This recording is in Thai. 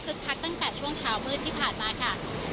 คักตั้งแต่ช่วงเช้ามืดที่ผ่านมาค่ะ